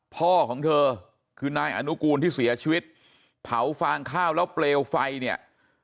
พ่อของเธอคือนายอนุกูลที่เสียชีวิตเผาฟางข้าวแล้วเปลวไฟเนี่ย